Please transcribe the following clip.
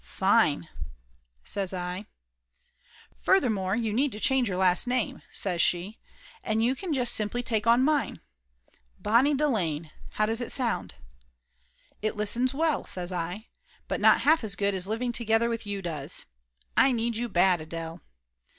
"Fine!" says I. "Furthermore, you need to change your last name," says she. "And you can just simply take on mine. Bonnie Delane. How does it listen?" "It listens well," says I. "But not half as good as living together with you does. I need you bad, Adele."